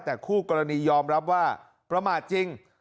แต่คู่กรณียอมรับว่าประมาทจริง